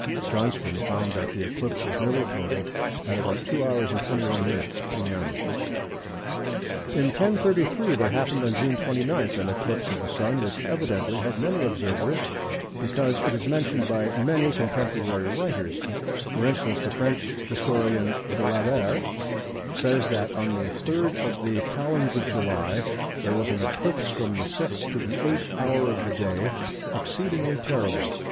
Johnston found that the eclipse was nearly total at about 2h. 21m. p.m. In 1033 there happened on June 29 an eclipse of the Sun, which evidently had many observers, because it is mentioned by many contemporary writers. For instance, the French historian, Glaber, says that "on the 3rd of the Calends of July there was an eclipse from the sixth to the eighth hour of the day exceedingly terrible.